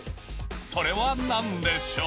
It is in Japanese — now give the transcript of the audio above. それは何でしょう？